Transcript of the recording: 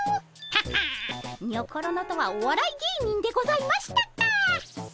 ははあにょころのとはおわらい芸人でございましたか。